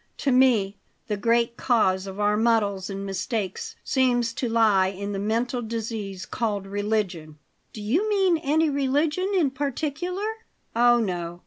To me the great cause of our muddles and mistakes seems to lie in the mental disease called religion." "Do you mean any religion in particular?" "Oh, no!